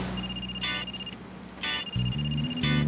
pernah ngerti bang